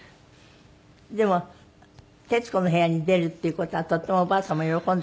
でも『徹子の部屋』に出るっていう事はとってもおばあ様喜んで。